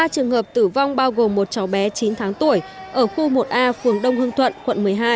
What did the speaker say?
ba trường hợp tử vong bao gồm một cháu bé chín tháng tuổi ở khu một a phường đông hưng thuận quận một mươi hai